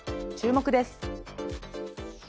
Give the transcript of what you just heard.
注目です。